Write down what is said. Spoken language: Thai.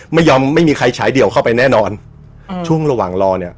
ไม่มีใครฉายเดี่ยวเข้าไปแน่นอนอ่าช่วงระหว่างรอเนี้ย